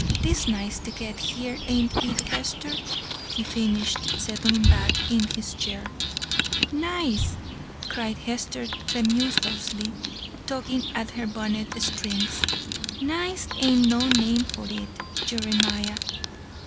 'Tis nice ter get here; ain't it, Hester?" he finished, settling back in his chair. "'Nice'!" cried Hester tremulously, tugging at her bonnet strings. "'Nice' ain't no name for it, Jeremiah.